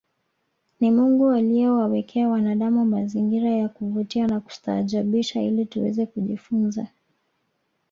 Ni Mungu aliyewawekea wanadamu mazingira ya kuvutia na kustaajabisha ili tuweze kujifunza